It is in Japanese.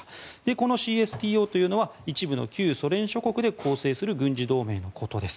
このＣＳＴＯというのは一部の旧ソ連諸国で構成する軍事同盟のことです。